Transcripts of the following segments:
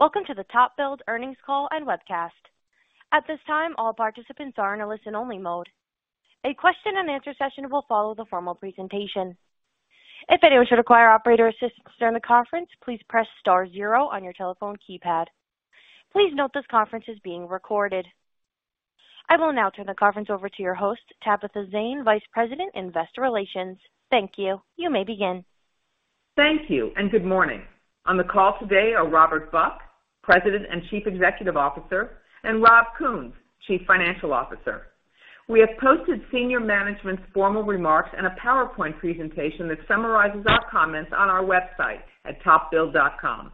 Welcome to the TopBuild earnings call and webcast. At this time, all participants are in a listen-only mode. A question-and-answer session will follow the formal presentation. If anyone should require operator assistance during the conference, please press star zero on your telephone keypad. Please note this conference is being recorded. I will now turn the conference over to your host, Tabitha Zane, Vice President, Investor Relations. Thank you. You may begin. Thank you, and good morning. On the call today are Robert Buck, President and Chief Executive Officer, and Robert Kuhns, Chief Financial Officer. We have posted senior management's formal remarks and a PowerPoint presentation that summarizes our comments on our website at topbuild.com.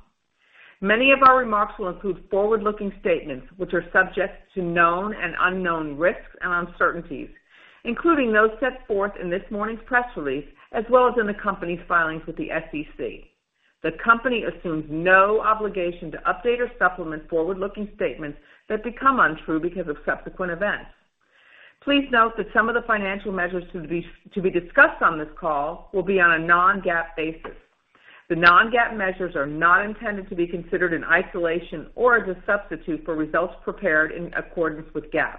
Many of our remarks will include forward-looking statements, which are subject to known and unknown risks and uncertainties, including those set forth in this morning's press release, as well as in the company's filings with the SEC. The company assumes no obligation to update or supplement forward-looking statements that become untrue because of subsequent events. Please note that some of the financial measures to be discussed on this call will be on a non-GAAP basis. The non-GAAP measures are not intended to be considered in isolation or as a substitute for results prepared in accordance with GAAP.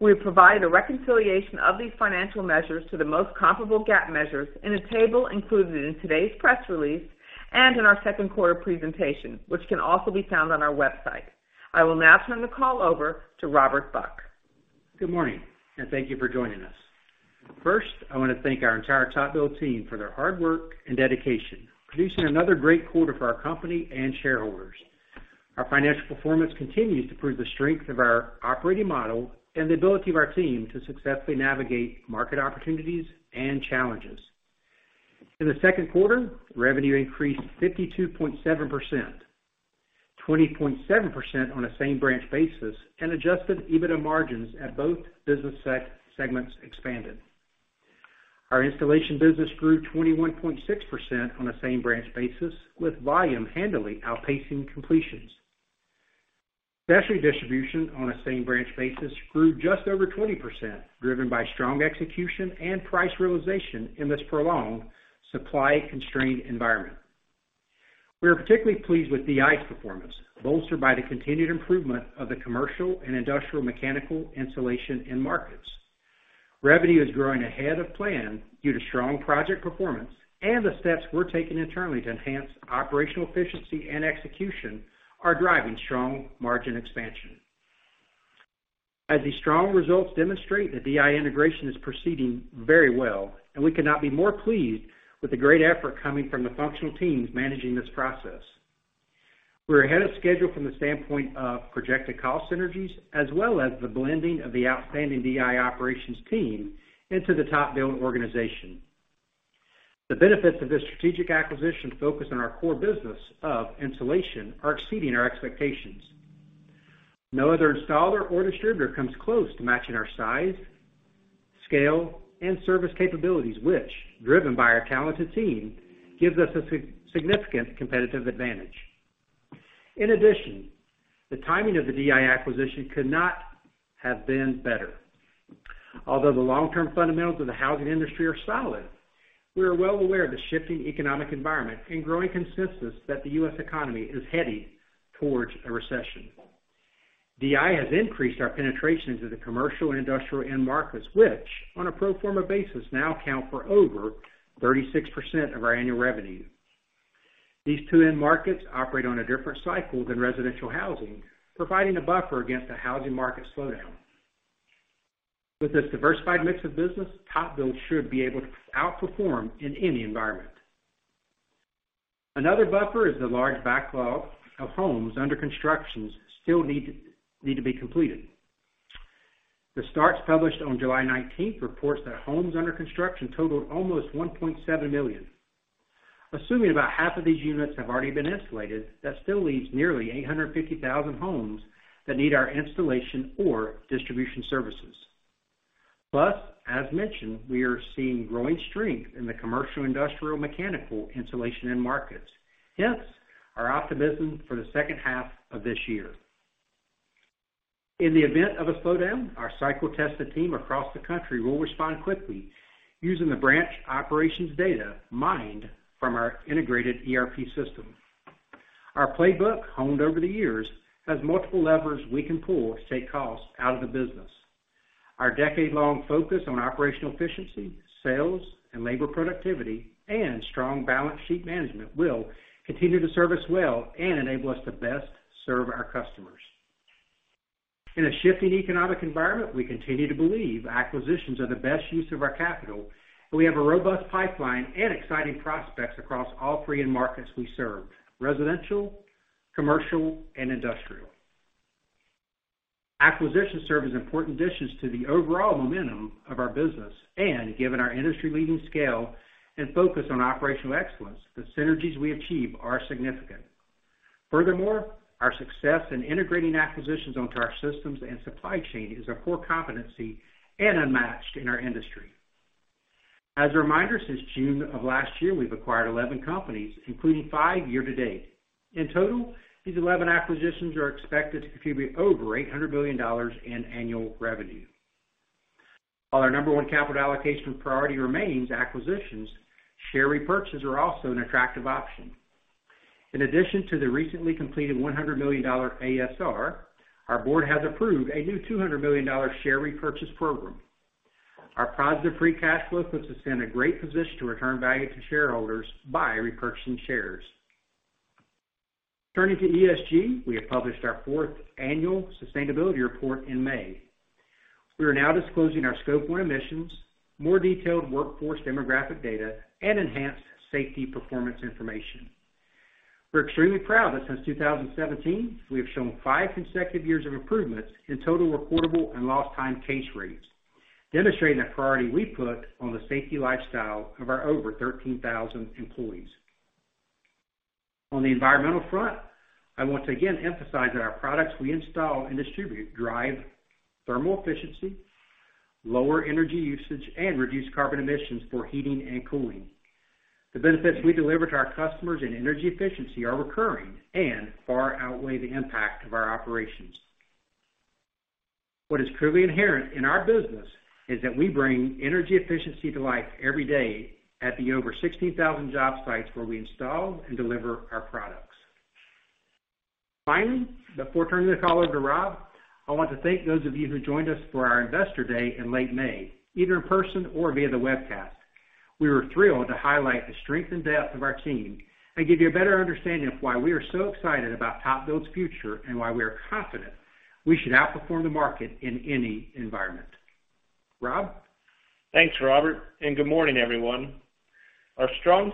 We provide a reconciliation of these financial measures to the most comparable GAAP measures in a table included in today's press release and in our second quarter presentation, which can also be found on our website. I will now turn the call over to Robert Buck. Good morning, and thank you for joining us. First, I want to thank our entire TopBuild team for their hard work and dedication, producing another great quarter for our company and shareholders. Our financial performance continues to prove the strength of our operating model and the ability of our team to successfully navigate market opportunities and challenges. In the second quarter, revenue increased 52.7%, 20.7% on a same-branch basis, and Adjusted EBITDA margins at both business segments expanded. Our installation business grew 21.6% on a same-branch basis, with volume handily outpacing completions. Specialty Distribution on a same-branch basis grew just over 20%, driven by strong execution and price realization in this prolonged supply-constrained environment. We are particularly pleased with DI's performance, bolstered by the continued improvement of the commercial and industrial mechanical insulation end markets. Revenue is growing ahead of plan due to strong project performance, and the steps we're taking internally to enhance operational efficiency and execution are driving strong margin expansion. As these strong results demonstrate, the DI integration is proceeding very well, and we could not be more pleased with the great effort coming from the functional teams managing this process. We're ahead of schedule from the standpoint of projected cost synergies as well as the blending of the outstanding DI operations team into the TopBuild organization. The benefits of this strategic acquisition focused on our core business of insulation are exceeding our expectations. No other installer or distributor comes close to matching our size, scale, and service capabilities, which, driven by our talented team, gives us a significant competitive advantage. In addition, the timing of the DI acquisition could not have been better. Although the long-term fundamentals of the housing industry are solid, we are well aware of the shifting economic environment and growing consensus that the U.S. economy is heading towards a recession. DI has increased our penetration into the commercial and industrial end markets, which, on a pro forma basis, now account for over 36% of our annual revenue. These two end markets operate on a different cycle than residential housing, providing a buffer against a housing market slowdown. With this diversified mix of business, TopBuild should be able to outperform in any environment. Another buffer is the large backlog of homes under construction still need to be completed. The starts published on July 19 reports that homes under construction totaled almost 1.7 million. Assuming about half of these units have already been insulated, that still leaves nearly 850,000 homes that need our installation or distribution services. Plus, as mentioned, we are seeing growing strength in the commercial industrial mechanical insulation end markets, hence our optimism for the second half of this year. In the event of a slowdown, our cycle-tested team across the country will respond quickly using the branch operations data mined from our integrated ERP system. Our playbook, honed over the years, has multiple levers we can pull to take costs out of the business. Our decade-long focus on operational efficiency, sales, and labor productivity, and strong balance sheet management will continue to serve us well and enable us to best serve our customers. In a shifting economic environment, we continue to believe acquisitions are the best use of our capital, and we have a robust pipeline and exciting prospects across all three end markets we serve, residential, commercial, and industrial. Acquisitions serve as important additions to the overall momentum of our business, and given our industry-leading scale and focus on operational excellence, the synergies we achieve are significant. Furthermore, our success in integrating acquisitions onto our systems and supply chain is a core competency and unmatched in our industry. As a reminder, since June of last year, we've acquired 11 companies, including five year to date. In total, these 11 acquisitions are expected to contribute over $800 million in annual revenue. While our number one capital allocation priority remains acquisitions, share repurchases are also an attractive option. In addition to the recently completed $100 million ASR, our board has approved a new $200 million share repurchase program. Our positive free cash flow puts us in a great position to return value to shareholders by repurchasing shares. Turning to ESG, we have published our fourth annual sustainability report in May. We are now disclosing our Scope 1 emissions, more detailed workforce demographic data, and enhanced safety performance information. We're extremely proud that since 2017, we have shown five consecutive years of improvements in total reportable and lost time case rates, demonstrating the priority we put on the safety lifestyle of our over 13,000 employees. On the environmental front, I want to again emphasize that our products we install and distribute drive thermal efficiency, lower energy usage, and reduce carbon emissions for heating and cooling. The benefits we deliver to our customers in energy efficiency are recurring and far outweigh the impact of our operations. What is truly inherent in our business is that we bring energy efficiency to life every day at the over 16,000 job sites where we install and deliver our products. Finally, before turning the call over to Rob, I want to thank those of you who joined us for our Investor Day in late May, either in person or via the webcast. We were thrilled to highlight the strength and depth of our team and give you a better understanding of why we are so excited about TopBuild's future and why we are confident we should outperform the market in any environment. Rob? Thanks, Robert, and good morning, everyone. Our strong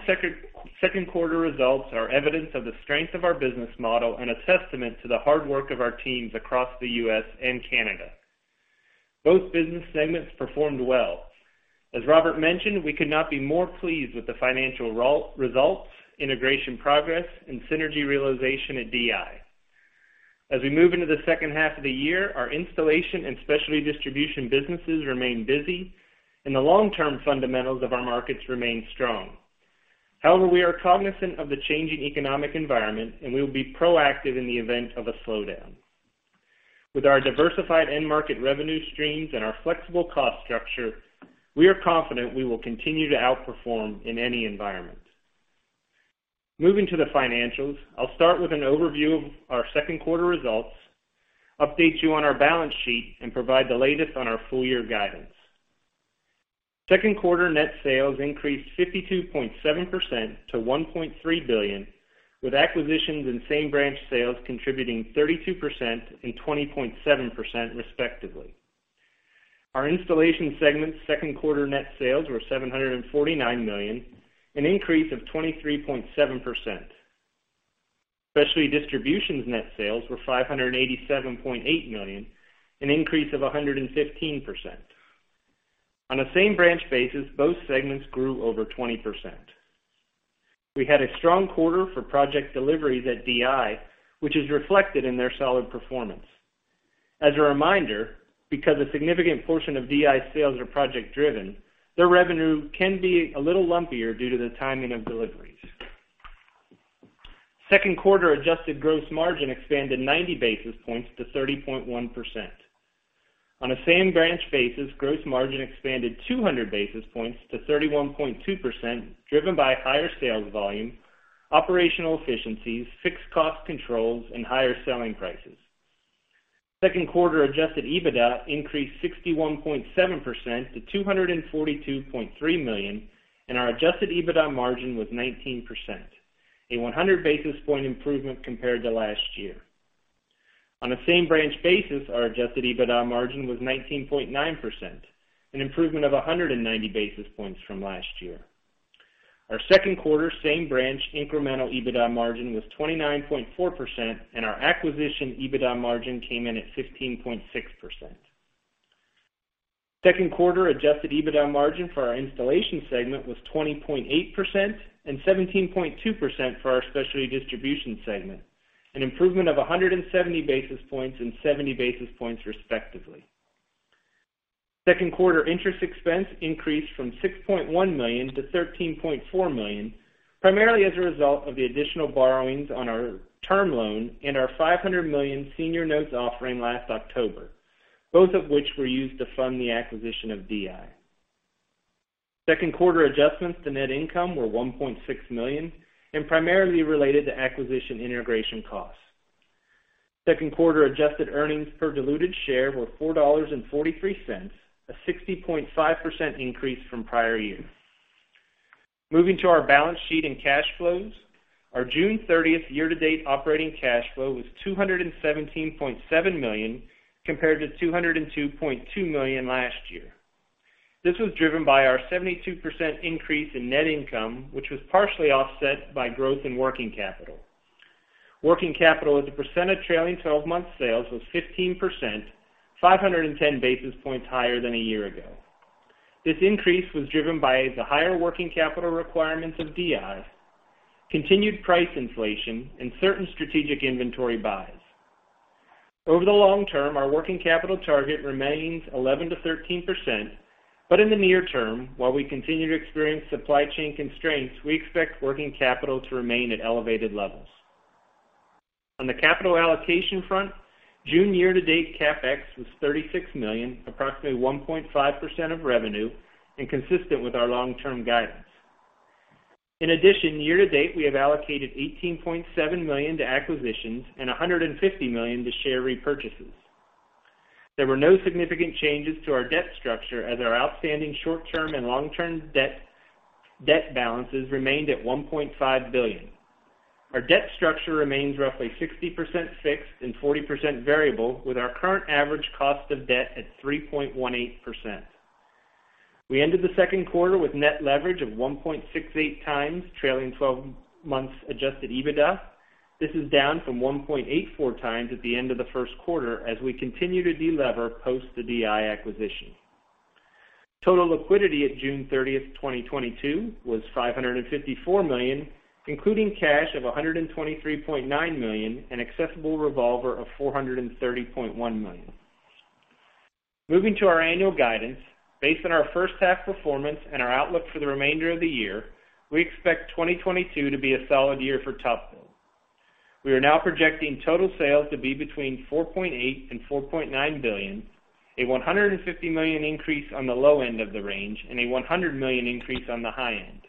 second quarter results are evidence of the strength of our business model and a testament to the hard work of our teams across the U.S. and Canada. Both business segments performed well. As Robert mentioned, we could not be more pleased with the financial results, integration progress, and synergy realization at DI. As we move into the second half of the year, our installation and specialty distribution businesses remain busy and the long-term fundamentals of our markets remain strong. However, we are cognizant of the changing economic environment, and we will be proactive in the event of a slowdown. With our diversified end market revenue streams and our flexible cost structure, we are confident we will continue to outperform in any environment. Moving to the financials, I'll start with an overview of our second quarter results, update you on our balance sheet, and provide the latest on our full year guidance. Second quarter net sales increased 52.7% to $1.3 billion, with acquisitions and same-branch sales contributing 32% and 20.7% respectively. Our Installation Services segment's second quarter net sales were $749 million, an increase of 23.7%. Specialty Distribution's net sales were $587.8 million, an increase of 115%. On a same-branch basis, both segments grew over 20%. We had a strong quarter for project deliveries at DI, which is reflected in their solid performance. As a reminder, because a significant portion of DI's sales are project driven, their revenue can be a little lumpier due to the timing of deliveries. Second quarter adjusted gross margin expanded 90 basis points to 30.1%. On a same-branch basis, gross margin expanded 200 basis points to 31.2%, driven by higher sales volume, operational efficiencies, fixed cost controls, and higher selling prices. Second quarter adjusted EBITDA increased 61.7% to $242.3 million, and our adjusted EBITDA margin was 19%, a 100 basis point improvement compared to last year. On a same-branch basis, our adjusted EBITDA margin was 19.9%, an improvement of 190 basis points from last year. Our second quarter same-branch incremental EBITDA margin was 29.4%, and our acquisition EBITDA margin came in at 15.6%. Second quarter adjusted EBITDA margin for our installation segment was 20.8% and 17.2% for our specialty distribution segment, an improvement of 170 basis points and 70 basis points respectively. Second quarter interest expense increased from $6.1 million to $13.4 million, primarily as a result of the additional borrowings on our term loan and our $500 million senior notes offering last October, both of which were used to fund the acquisition of DI. Second quarter adjustments to net income were $1.6 million and primarily related to acquisition integration costs. Second quarter adjusted earnings per diluted share were $4.43, a 60.5% increase from prior year. Moving to our balance sheet and cash flows, our June 30 year-to-date operating cash flow was $217.7 million, compared to $202.2 million last year. This was driven by our 72% increase in net income, which was partially offset by growth in working capital. Working capital as a percent of trailing twelve-month sales was 15%, 510 basis points higher than a year ago. This increase was driven by the higher working capital requirements of DI, continued price inflation, and certain strategic inventory buys. Over the long term, our working capital target remains 11%-13%, but in the near term, while we continue to experience supply chain constraints, we expect working capital to remain at elevated levels. On the capital allocation front, June year-to-date CapEx was $36 million, approximately 1.5% of revenue and consistent with our long-term guidance. In addition, year-to-date, we have allocated $18.7 million to acquisitions and $150 million to share repurchases. There were no significant changes to our debt structure as our outstanding short-term and long-term debt balances remained at $1.5 billion. Our debt structure remains roughly 60% fixed and 40% variable, with our current average cost of debt at 3.18%. We ended the second quarter with net leverage of 1.68x, trailing twelve months adjusted EBITDA. This is down from 1.84 times at the end of the first quarter as we continue to delever post the DI acquisition. Total liquidity at June 30th, 2022 was $554 million, including cash of $123.9 million and accessible revolver of $430.1 million. Moving to our annual guidance. Based on our first half performance and our outlook for the remainder of the year, we expect 2022 to be a solid year for TopBuild. We are now projecting total sales to be between $4.8 billion and $4.9 billion, a $150 million increase on the low end of the range and a $100 million increase on the high end.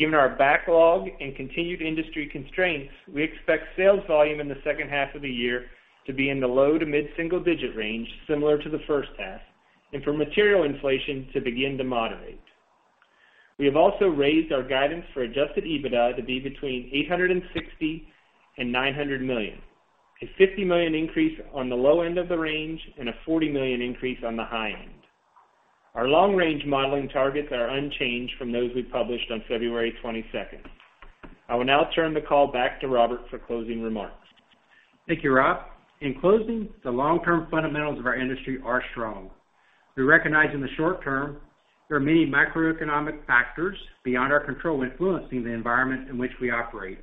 Given our backlog and continued industry constraints, we expect sales volume in the second half of the year to be in the low to mid-single digit range, similar to the first half, and for material inflation to begin to moderate. We have also raised our guidance for adjusted EBITDA to be between $860 million and $900 million, a $50 million increase on the low end of the range and a $40 million increase on the high end. Our long-range modeling targets are unchanged from those we published on February 22nd. I will now turn the call back to Robert for closing remarks. Thank you, Rob. In closing, the long-term fundamentals of our industry are strong. We recognize in the short term, there are many macroeconomic factors beyond our control influencing the environment in which we operate.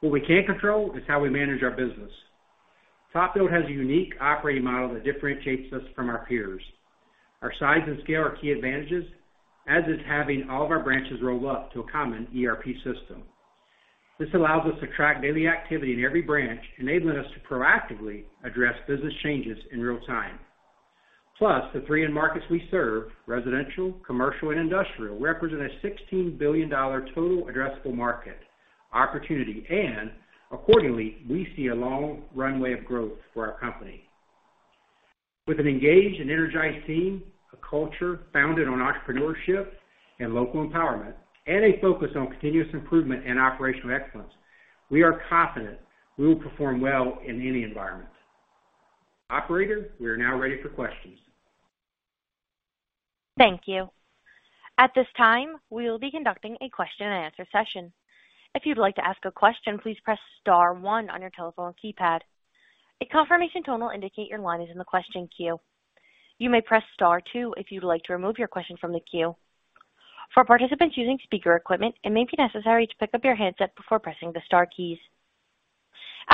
What we can control is how we manage our business. TopBuild has a unique operating model that differentiates us from our peers. Our size and scale are key advantages, as is having all of our branches rolled up to a common ERP system. This allows us to track daily activity in every branch, enabling us to proactively address business changes in real time. Plus, the three end markets we serve, residential, commercial, and industrial, represent a $16 billion total addressable market opportunity, and accordingly, we see a long runway of growth for our company. With an engaged and energized team, a culture founded on entrepreneurship and local empowerment, and a focus on continuous improvement and operational excellence, we are confident we will perform well in any environment. Operator, we are now ready for questions. Thank you. At this time, we will be conducting a question-and-answer session. If you'd like to ask a question, please press star one on your telephone keypad. A confirmation tone will indicate your line is in the question queue. You may press star two if you'd like to remove your question from the queue. For participants using speaker equipment, it may be necessary to pick up your handset before pressing the star keys.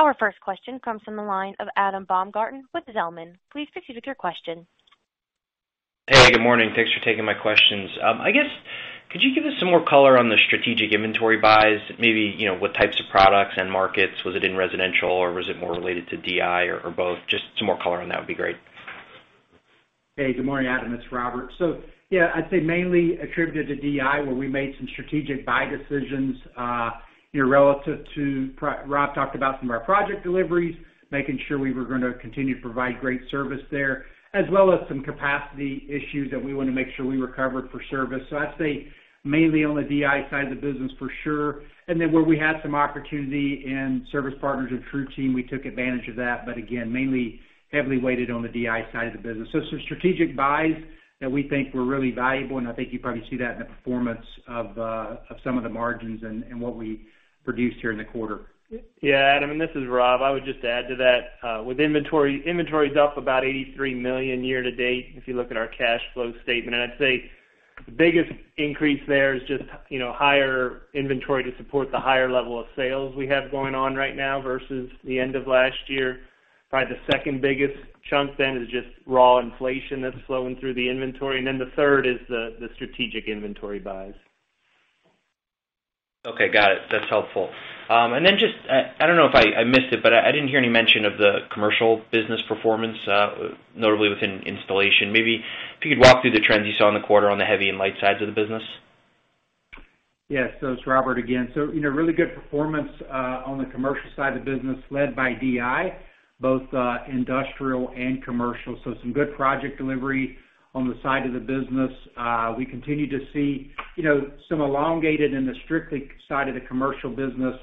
Our first question comes from the line of Adam Baumgarten with Zelman. Please proceed with your question. Hey, good morning. Thanks for taking my questions. I guess, could you give us some more color on the strategic inventory buys? Maybe, you know, what types of products and markets, was it in residential, or was it more related to DI or both? Just some more color on that would be great. Hey, good morning, Adam. It's Robert. Yeah, I'd say mainly attributed to DI, where we made some strategic buy decisions, you know, relative to Rob talked about some of our project deliveries, making sure we were gonna continue to provide great service there, as well as some capacity issues that we wanna make sure we were covered for service. I'd say mainly on the DI side of the business for sure. Where we had some opportunity in Service Partners and TruTeam, we took advantage of that, but again, mainly heavily weighted on the DI side of the business. Some strategic buys that we think were really valuable, and I think you probably see that in the performance of some of the margins and what we produced here in the quarter. Yeah, Adam, and this is Rob. I would just add to that with inventory. Inventory is up about $83 million year to date, if you look at our cash flow statement. I'd say the biggest increase there is just, you know, higher inventory to support the higher level of sales we have going on right now versus the end of last year. Probably the second biggest chunk then is just raw inflation that's flowing through the inventory. Then the third is the strategic inventory buys. Okay. Got it. That's helpful. Just, I don't know if I missed it, but I didn't hear any mention of the commercial business performance, notably within installation. Maybe if you could walk through the trends you saw in the quarter on the heavy and light sides of the business. Yes. So it's Robert again. In a really good performance on the commercial side of the business led by DI, both industrial and commercial. Some good project delivery on the side of the business. We continue to see, you know, some elongation in the supply side of the commercial business.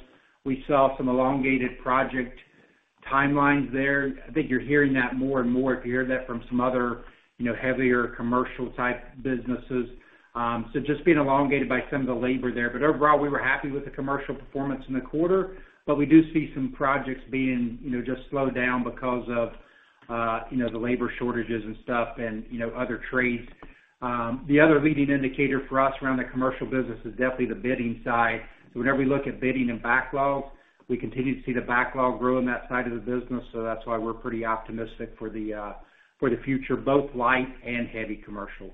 We saw some elongated project timelines there. I think you're hearing that more and more if you hear that from some other, you know, heavier commercial type businesses. Just being elongated by some of the labor there. Overall, we were happy with the commercial performance in the quarter, but we do see some projects being, you know, just slowed down because of, you know, the labor shortages and stuff and, you know, other trades. The other leading indicator for us around the commercial business is definitely the bidding side. Whenever we look at bidding and backlogs, we continue to see the backlog grow on that side of the business. That's why we're pretty optimistic for the future, both light and heavy commercial.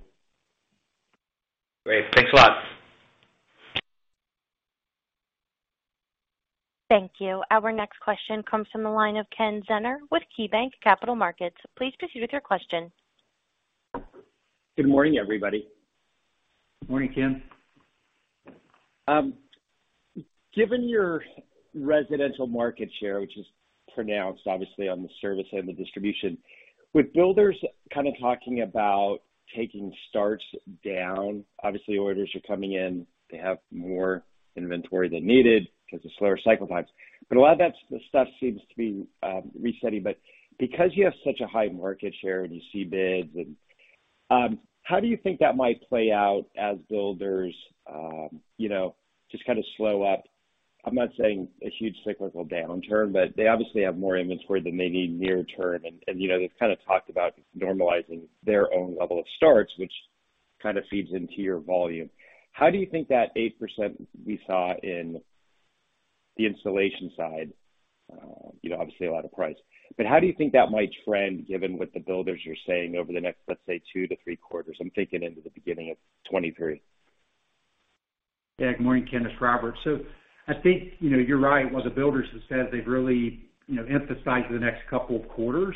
Great. Thanks a lot. Thank you. Our next question comes from the line of Kenneth Zener with KeyBanc Capital Markets. Please proceed with your question. Good morning, everybody. Morning, Ken. Given your residential market share, which is predominant obviously on the service end of distribution, with builders kind of talking about taking starts down, obviously orders are coming in. They have more inventory than needed because of slower cycle times. A lot of that stuff seems to be resetting. Because you have such a high market share and you see bids and, how do you think that might play out as builders, you know, just kind of slow up? I'm not saying a huge cyclical downturn, but they obviously have more inventory than they need near term. You know, they've kind of talked about normalizing their own level of starts, which kind of feeds into your volume. How do you think that 8% we saw in the installation side, you know, obviously a lot of price. How do you think that might trend given what the builders are saying over the next, let's say, two to three quarters? I'm thinking into the beginning of 2023. Yeah. Good morning, Ken. It's Robert. I think, you know, you're right. What the builders have said, they've really, you know, emphasized the next couple of quarters.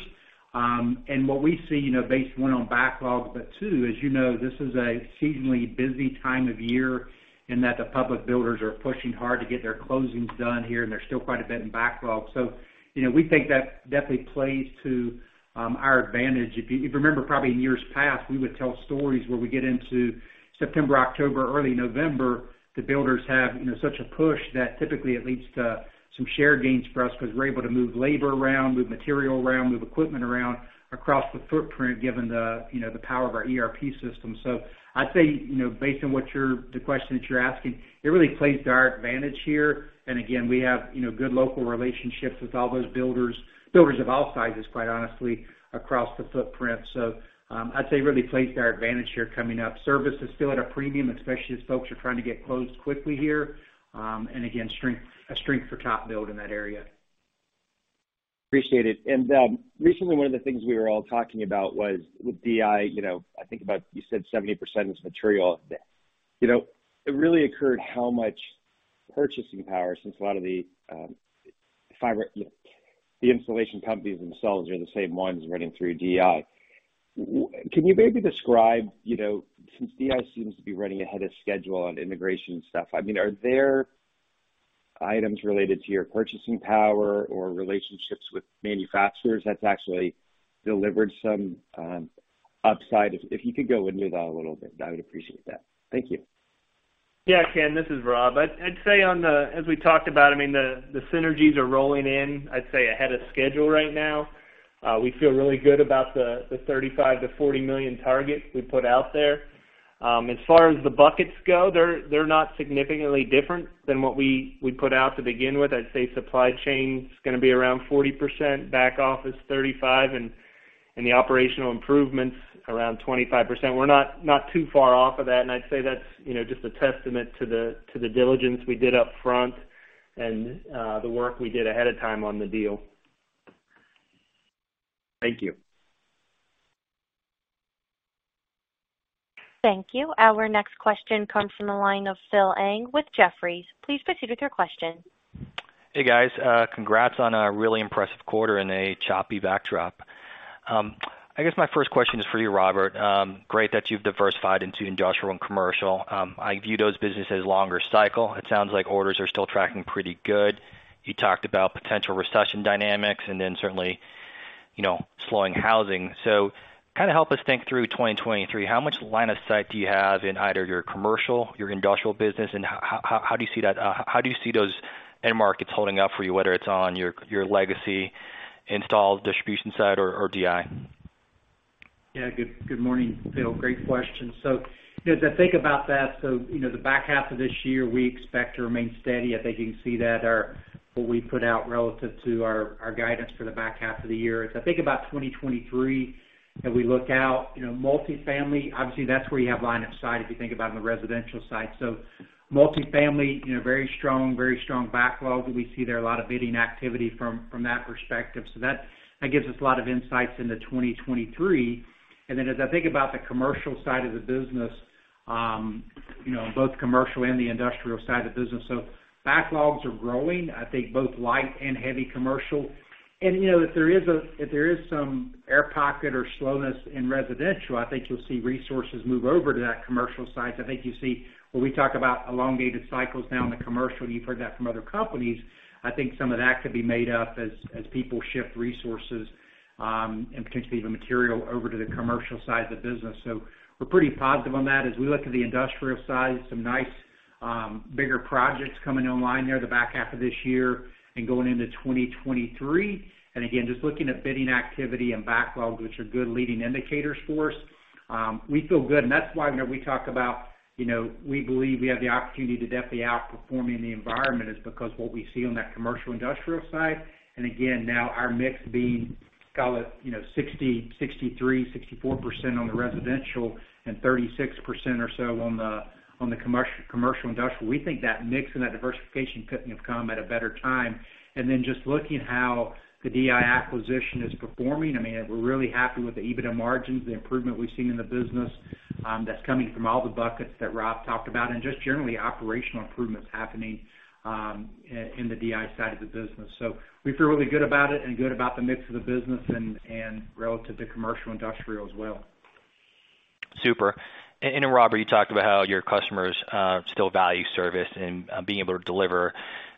What we see, you know, based one on backlog, but two, as you know, this is a seasonally busy time of year and that the public builders are pushing hard to get their closings done here, and there's still quite a bit in backlog. You know, we think that definitely plays to our advantage. If you remember probably in years past, we would tell stories where we get into September, October, early November. The builders have, you know, such a push that typically it leads to some share gains for us because we're able to move labor around, move material around, move equipment around across the footprint, given the, you know, the power of our ERP system. I'd say, you know, based on the question that you're asking, it really plays to our advantage here. We have, you know, good local relationships with all those builders of all sizes, quite honestly, across the footprint. I'd say it really plays to our advantage here coming up. Service is still at a premium, especially as folks are trying to get closed quickly here. A strength for TopBuild in that area. Appreciate it. Recently one of the things we were all talking about was with DI, you know, I think about you said 70% is material. You know, it really occurred to me how much purchasing power, since a lot of the fiber, you know, the installation companies themselves are the same ones running through DI. Can you maybe describe, you know, since DI seems to be running ahead of schedule on integration and stuff, I mean, are there items related to your purchasing power or relationships with manufacturers that's actually delivered some upside? If you could go into that a little bit, I would appreciate that. Thank you. Yeah, Ken, this is Rob. I'd say on the, as we talked about, I mean, the synergies are rolling in, I'd say ahead of schedule right now. We feel really good about the $35 million-$40 million target we put out there. As far as the buckets go, they're not significantly different than what we put out to begin with. I'd say supply chain's gonna be around 40%, back office 35%, and the operational improvements around 25%. We're not too far off of that. I'd say that's, you know, just a testament to the diligence we did up front and the work we did ahead of time on the deal. Thank you. Thank you. Our next question comes from the line of Phil Ng with Jefferies. Please proceed with your question. Hey, guys. Congrats on a really impressive quarter and a choppy backdrop. I guess my first question is for you, Robert. Great that you've diversified into industrial and commercial. I view those businesses as longer cycle. It sounds like orders are still tracking pretty good. You talked about potential recession dynamics and then certainly, you know, slowing housing. Kind of help us think through 2023. How much line of sight do you have in either your commercial, your industrial business, and how do you see those end markets holding up for you, whether it's on your legacy install distribution side or DI? Yeah. Good morning, Phil. Great question. As I think about that, you know, the back half of this year, we expect to remain steady. I think you can see that our what we put out relative to our guidance for the back half of the year. As I think about 2023, as we look out, you know, multifamily, obviously that's where you have line of sight if you think about on the residential side. Multifamily, you know, very strong, very strong backlog. We see there a lot of bidding activity from that perspective. That gives us a lot of insights into 2023. Then as I think about the commercial side of the business, you know, both commercial and the industrial side of the business, backlogs are growing, I think both light and heavy commercial. You know, if there is some air pocket or slowness in residential, I think you'll see resources move over to that commercial side. I think you see when we talk about elongated cycles now in the commercial, and you've heard that from other companies, I think some of that could be made up as people shift resources and potentially even material over to the commercial side of the business. We're pretty positive on that. As we look to the industrial side, some nice bigger projects coming online there the back half of this year and going into 2023. Again, just looking at bidding activity and backlogs, which are good leading indicators for us, we feel good. That's why whenever we talk about, you know, we believe we have the opportunity to definitely outperform in the environment is because what we see on that commercial industrial side. Again, now our mix being, call it, you know, 60%, 63%, 64% on the residential and 36% or so on the commercial industrial. We think that mix and that diversification couldn't have come at a better time. Then just looking at how the DI acquisition is performing, I mean, we're really happy with the EBITDA margins, the improvement we've seen in the business, that's coming from all the buckets that Rob talked about, and just generally operational improvements happening in the DI side of the business. We feel really good about it and good about the mix of the business and relative to commercial industrial as well. Super. Robert, you talked about how your customers still value service and being able to deliver,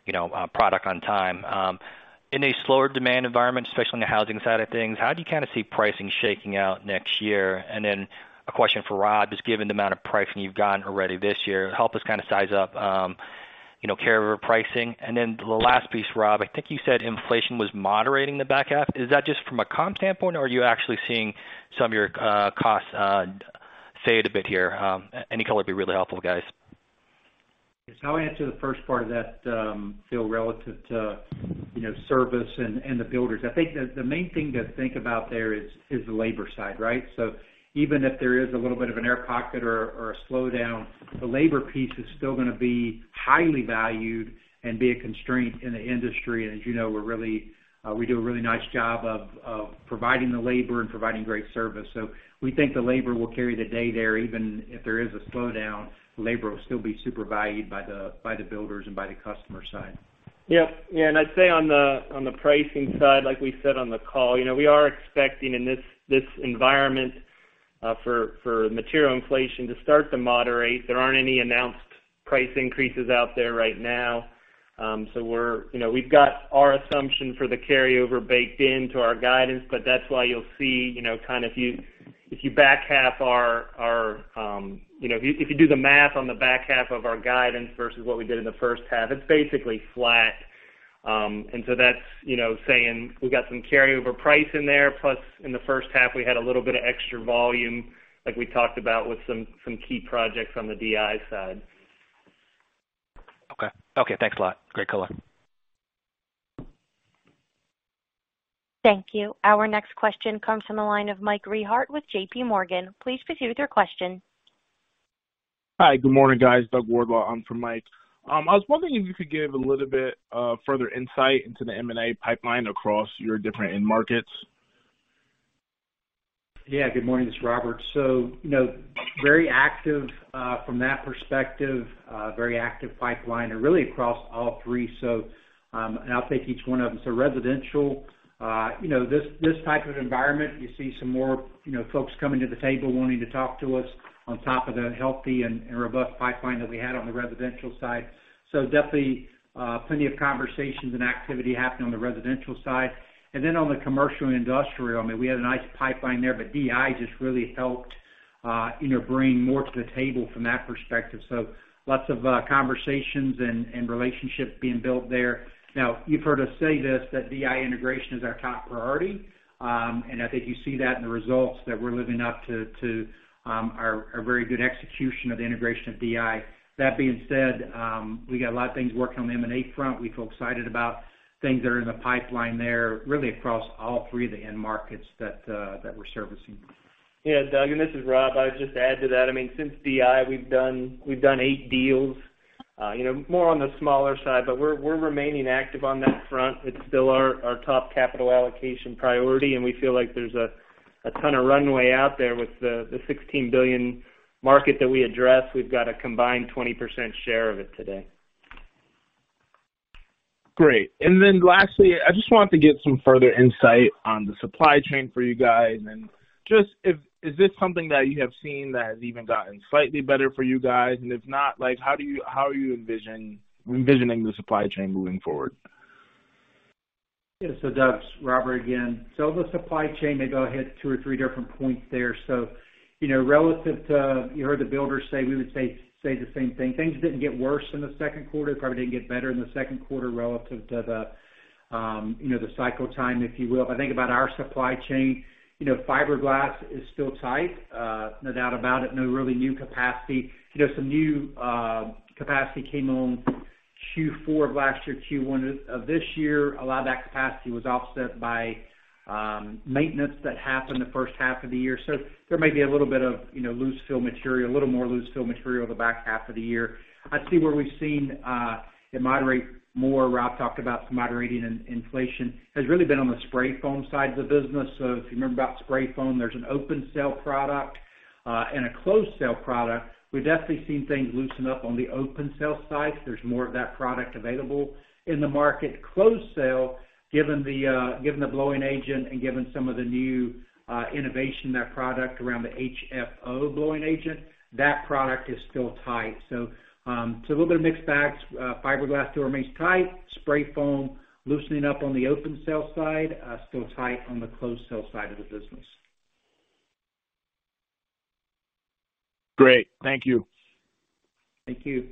you know, product on time. In a slower demand environment, especially on the housing side of things, how do you kind of see pricing shaking out next year? Then a question for Rob, just given the amount of pricing you've gotten already this year, help us kind of size up, you know, current pricing. Then the last piece, Rob, I think you said inflation was moderating the back half. Is that just from a comp standpoint, or are you actually seeing some of your costs fade a bit here? Any color would be really helpful, guys. Yes, I'll answer the first part of that, Phil, relative to service and the builders. I think the main thing to think about there is the labor side, right? Even if there is a little bit of an air pocket or a slowdown, the labor piece is still gonna be highly valued and be a constraint in the industry. As you know, we do a really nice job of providing the labor and providing great service. We think the labor will carry the day there, even if there is a slowdown, labor will still be super valued by the builders and by the customer side. Yeah. Yeah, I'd say on the pricing side, like we said on the call, you know, we are expecting in this environment for material inflation to start to moderate. There aren't any announced price increases out there right now. So we're, you know, we've got our assumption for the carryover baked into our guidance, but that's why you'll see, you know, kind of if you back half our guidance versus what we did in the first half, it's basically flat. That's, you know, saying we got some carryover price in there, plus in the first half we had a little bit of extra volume, like we talked about with some key projects on the DI side. Okay. Okay, thanks a lot. Great color. Thank you. Our next question comes from the line of Mike Rehaut with JPMorgan. Please proceed with your question. Hi, good morning, guys. Doug Wardlaw on for Mike. I was wondering if you could give a little bit of further insight into the M&A pipeline across your different end markets? Yeah, good morning. This is Robert. You know, very active, from that perspective, very active pipeline and really across all three. I'll take each one of them. Residential, you know, this type of environment, you see some more, you know, folks coming to the table wanting to talk to us on top of the healthy and robust pipeline that we had on the residential side. Definitely, plenty of conversations and activity happening on the residential side. On the commercial and industrial, I mean, we had a nice pipeline there, but DI just really helped, you know, bring more to the table from that perspective. Lots of conversations and relationships being built there. Now, you've heard us say this, that DI integration is our top priority. I think you see that in the results that we're living up to our very good execution of the integration of DI. That being said, we got a lot of things working on the M&A front. We feel excited about things that are in the pipeline there, really across all three of the end markets that we're servicing. Yeah, Doug, and this is Rob. I would just add to that. I mean, since DI, we've done eight deals, more on the smaller side, but we're remaining active on that front. It's still our top capital allocation priority, and we feel like there's a ton of runway out there with the $16 billion market that we address. We've got a combined 20% share of it today. Great. Lastly, I just wanted to get some further insight on the supply chain for you guys. Just, is this something that you have seen that has even gotten slightly better for you guys? If not, like, how are you envisioning the supply chain moving forward? Yeah. Doug, it's Robert again. The supply chain may go hit two or three different points there. You know, relative to, you heard the builders say, we would say the same thing. Things didn't get worse in the second quarter, probably didn't get better in the second quarter relative to the, you know, the cycle time, if you will. If I think about our supply chain, you know, fiberglass is still tight, no doubt about it, no really new capacity. You know, some new capacity came on Q4 of last year, Q1 of this year. A lot of that capacity was offset by maintenance that happened the first half of the year. There may be a little bit of, you know, loose fill material, a little more loose fill material the back half of the year. I'd say we've seen it moderate more. Rob talked about some moderating in inflation, has really been on the spray foam side of the business. If you remember about spray foam, there's an open cell product and a closed cell product. We've definitely seen things loosen up on the open cell side. There's more of that product available in the market. Closed cell, given the blowing agent and given some of the new innovation in that product around the HFO blowing agent, that product is still tight. It's a little bit of a mixed bag. Fiberglass still remains tight. Spray foam loosening up on the open cell side, still tight on the closed cell side of the business. Great. Thank you. Thank you.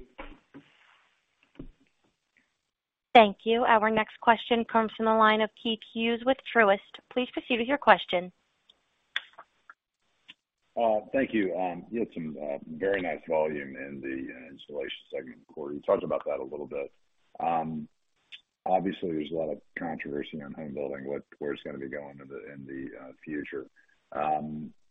Thank you. Our next question comes from the line of Keith Hughes with Truist. Please proceed with your question. Thank you. You had some very nice volume in the installation second quarter. You talked about that a little bit. Obviously there's a lot of controversy on home building, where it's gonna be going in the future.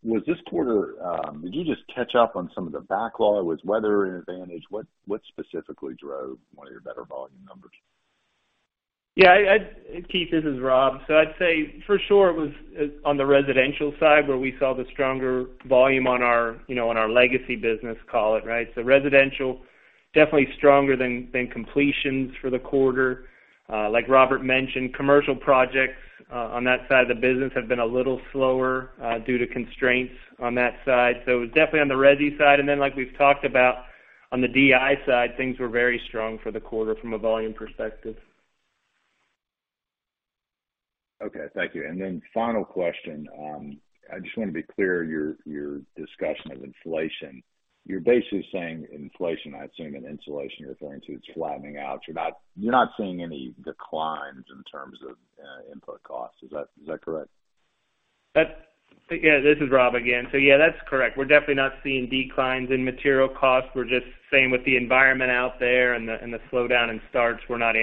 Was this quarter, did you just catch up on some of the backlog? Was weather an advantage? What specifically drove one of your better volume numbers? Keith, this is Rob. I'd say for sure it was on the residential side where we saw the stronger volume on our, you know, on our legacy business call it, right? Residential, definitely stronger than completions for the quarter. Like Robert mentioned, commercial projects on that side of the business have been a little slower due to constraints on that side. Definitely on the resi side. Like we've talked about on the DI side, things were very strong for the quarter from a volume perspective. Okay. Thank you. Final question. I just wanna be clear, your discussion of inflation. You're basically saying inflation, I assume in insulation you're referring to, it's flattening out. You're not seeing any declines in terms of input costs. Is that correct? Yeah, this is Rob again. Yeah, that's correct. We're definitely not seeing declines in material costs. We're just saying with the environment out there and the slowdown in starts, we're not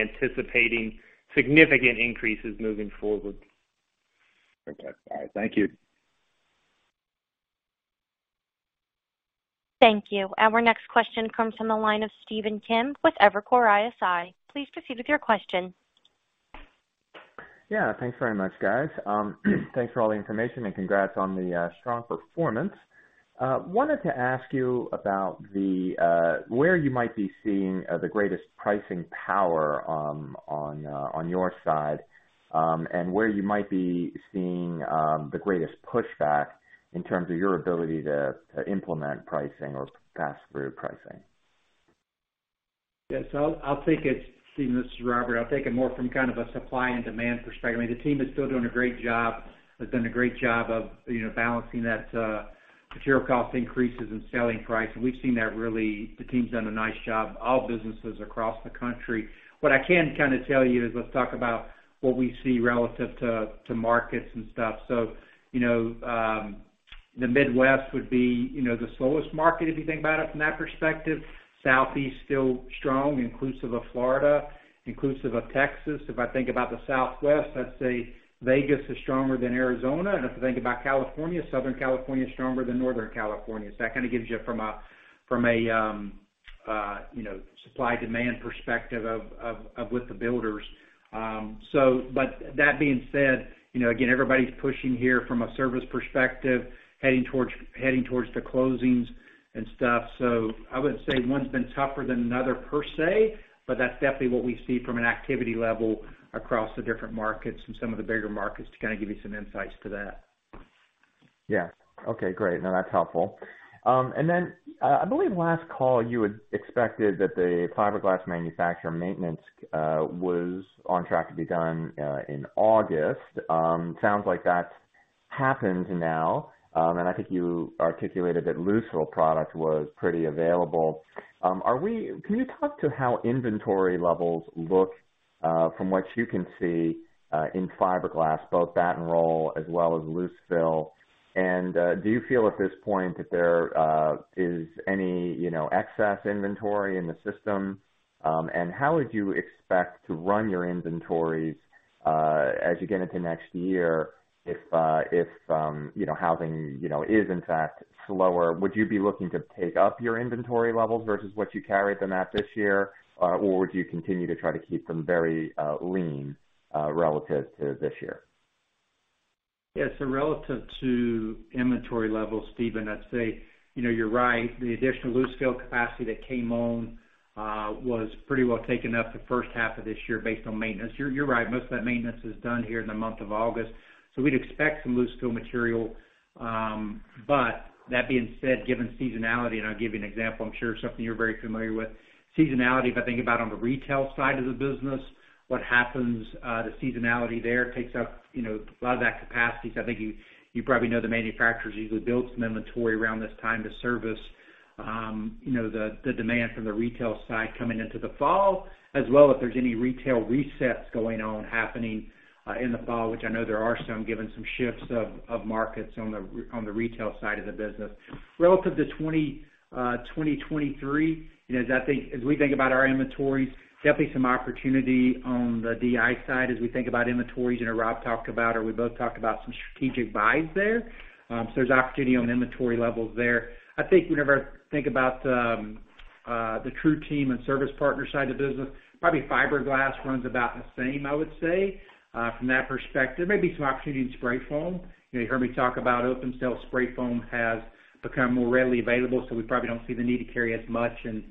anticipating significant increases moving forward. Okay. All right. Thank you. Thank you. Our next question comes from the line of Stephen Kim with Evercore ISI. Please proceed with your question. Yeah. Thanks very much, guys. Thanks for all the information, and congrats on the strong performance. Wanted to ask you about the where you might be seeing the greatest pricing power on your side, and where you might be seeing the greatest pushback in terms of your ability to implement pricing or pass through pricing. Yes, I'll take it. Stephen, this is Robert. I'll take it more from kind of a supply and demand perspective. I mean, the team is still doing a great job. They've done a great job of, you know, balancing that, material cost increases and selling price, and we've seen that really, the team's done a nice job, all businesses across the country. What I can kinda tell you is, let's talk about what we see relative to markets and stuff. You know, the Midwest would be, you know, the slowest market if you think about it from that perspective. Southeast still strong, inclusive of Florida, inclusive of Texas. If I think about the Southwest, I'd say Vegas is stronger than Arizona. If I think about California, Southern California is stronger than Northern California. That kinda gives you from a you know supply-demand perspective of with the builders. That being said, you know, again, everybody's pushing here from a service perspective, heading towards the closings and stuff. I wouldn't say one's been tougher than another per se, but that's definitely what we see from an activity level across the different markets and some of the bigger markets to kinda give you some insights to that. Yeah. Okay, great. No, that's helpful. I believe last call you had expected that the fiberglass manufacturer maintenance was on track to be done in August. Sounds like that's happened now. I think you articulated that loose fill product was pretty available. Can you talk to how inventory levels look, from what you can see, in fiberglass, both batt and roll as well as loose fill? Do you feel at this point that there is any, you know, excess inventory in the system? How would you expect to run your inventories, as you get into next year if, you know, housing, you know, is in fact slower? Would you be looking to take up your inventory levels versus what you carried them at this year? Or would you continue to try to keep them very lean, relative to this year? Yeah. Relative to inventory levels, Stephen, I'd say, you know, you're right. The additional loose fill capacity that came on was pretty well taken up the first half of this year based on maintenance. You're right, most of that maintenance is done here in the month of August. We'd expect some loose fill material. But that being said, given seasonality, and I'll give you an example, I'm sure something you're very familiar with. Seasonality, if I think about on the retail side of the business, what happens, the seasonality there takes up, you know, a lot of that capacity. I think you probably know the manufacturers usually build some inventory around this time to service, you know, the demand from the retail side coming into the fall, as well if there's any retail resets going on in the fall, which I know there are some, given some shifts of markets on the retail side of the business. Relative to 2023, you know, as we think about our inventories, definitely some opportunity on the DI side as we think about inventories. You know, Rob talked about or we both talked about some strategic buys there. There's opportunity on inventory levels there. I think whenever I think about the TruTeam and Service Partners side of the business, probably fiberglass runs about the same, I would say, from that perspective. Maybe some opportunity in spray foam. You know, you heard me talk about open cell spray foam has become more readily available, so we probably don't see the need to carry as much in the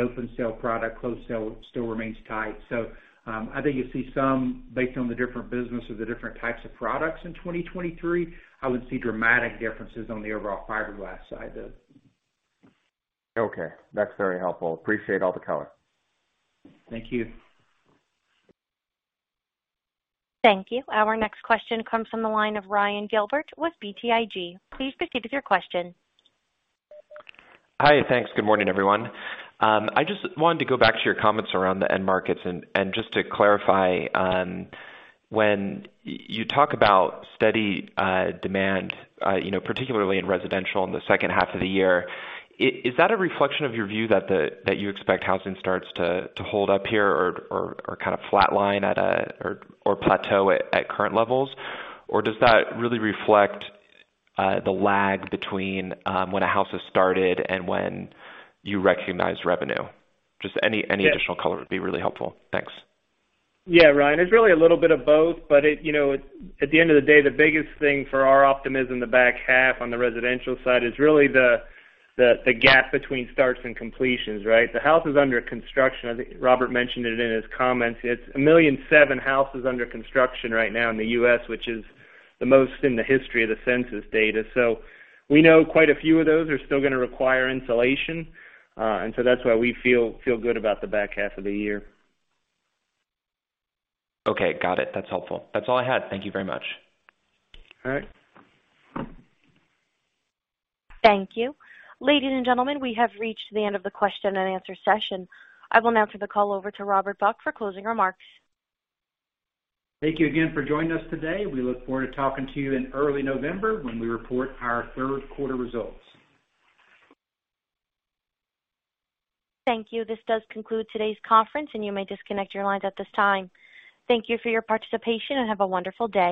open cell product. Closed cell still remains tight. So, I think you'll see some based on the different business or the different types of products in 2023. I wouldn't see dramatic differences on the overall fiberglass side, though. Okay. That's very helpful. Appreciate all the color. Thank you. Thank you. Our next question comes from the line of Ryan Gilbert with BTIG. Please proceed with your question. Hi. Thanks. Good morning, everyone. I just wanted to go back to your comments around the end markets and just to clarify, when you talk about steady demand, you know, particularly in residential in the second half of the year, is that a reflection of your view that you expect housing starts to hold up here or kinda flatline or plateau at current levels? Or does that really reflect the lag between when a house is started and when you recognize revenue? Just any additional color would be really helpful. Thanks. Yeah, Ryan, it's really a little bit of both. It, you know, at the end of the day, the biggest thing for our optimism in the back half on the residential side is really the gap between starts and completions, right? The house is under construction. I think Robert mentioned it in his comments. It's 1.7 million houses under construction right now in the U.S., which is the most in the history of the census data. So we know quite a few of those are still gonna require insulation, and so that's why we feel good about the back half of the year. Okay. Got it. That's helpful. That's all I had. Thank you very much. All right. Thank you. Ladies and gentlemen, we have reached the end of the question and answer session. I will now turn the call over to Robert Buck for closing remarks. Thank you again for joining us today. We look forward to talking to you in early November when we report our third quarter results. Thank you. This does conclude today's conference, and you may disconnect your lines at this time. Thank you for your participation, and have a wonderful day.